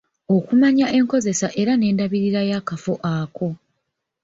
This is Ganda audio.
Okumanya enkozesa era n'endabirira yakafo ako.